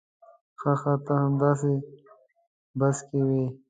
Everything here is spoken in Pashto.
ښه ښه ته همدې بس کې وې.